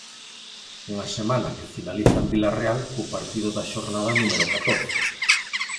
Unha semana que finaliza en Vilarreal co partido da xornada número catorce.